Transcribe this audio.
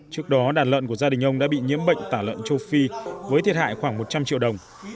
trước đó đàn lợn của gia đình ông đã bị nhiễm bệnh tả lợn châu phi với thiệt hại khoảng một trăm linh triệu đồng